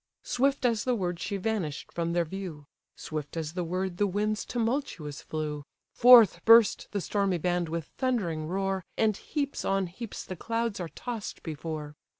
Swift as the word she vanish'd from their view; Swift as the word the winds tumultuous flew; Forth burst the stormy band with thundering roar, And heaps on heaps the clouds are toss'd before.